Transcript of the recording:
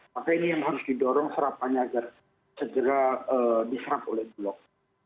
maka ini yang harus didorong serapannya agar segera diserap oleh bulog